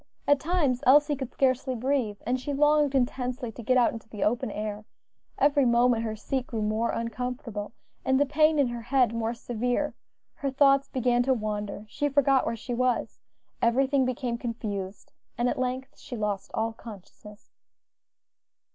At times Elsie could scarcely breathe, and she longed intensely to get out into the open air; every moment her seat grew more uncomfortable and the pain in her head more severe: her thoughts began to wander, she forgot where she was, everything became confused, and at length she lost all consciousness.